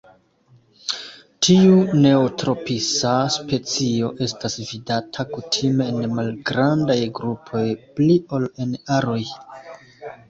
Tiu neotropisa specio estas vidata kutime en malgrandaj grupoj pli ol en aroj.